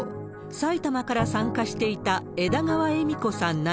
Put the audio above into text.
埼玉から参加していた枝川恵美子さん